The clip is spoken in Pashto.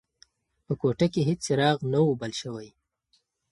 په کوټه کې هیڅ څراغ نه و بل شوی.